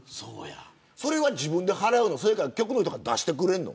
それは自分で払うの局の人が出してくれるの。